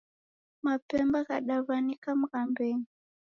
Mapemba ghadawanika mghambenyi